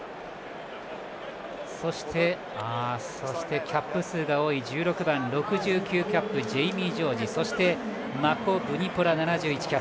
そして、キャップ数が多い１６番６９キャップジェイミー・ジョージそしてマコ・ブニポラ。